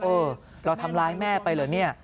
เออเดี๋ยวทำร้ายแม่ไปเลยนะ